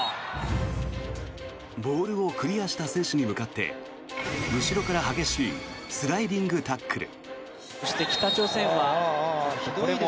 ボールをクリアした選手に向かって後ろから激しいスライディングタックル。